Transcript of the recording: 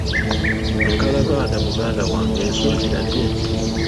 Nkalabanda muganda wange ensi ogirabye?